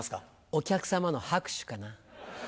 お客さまの拍手かな。